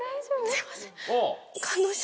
すいません。